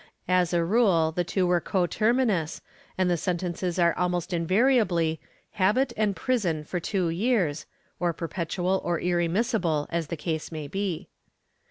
As a rule, the two were coterminous and the sentences are almost invariably "habit and prison for two years," or perpetual or irremissible as the case may be.